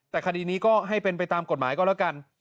แต่คดีนี้ก็ให้เป็นไปตามกฎหมายก็แล้วกัน